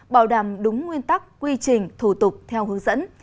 bảo đảm đúng nguyên tắc quy trình thủ tục theo hướng dẫn